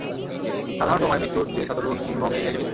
সাধারণ বোমায় মৃত্যুর চেয়ে শতগুণ নির্মম এই গ্যাসে মৃত্যু।